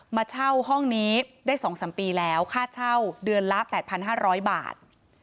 มาเช่าห้องนี้ได้๒๓ปีแล้วค่าเช่าเดือนละ๘๕๐๐บาท